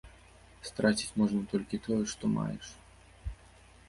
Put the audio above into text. Страціць можна толькі тое, што маеш.